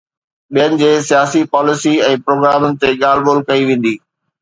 ٻين جي سياسي پاليسي ۽ پروگرام تي ڳالهه ٻولهه ڪئي ويندي.